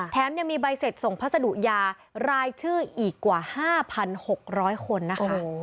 ยังมีใบเสร็จส่งพัสดุยารายชื่ออีกกว่า๕๖๐๐คนนะคะ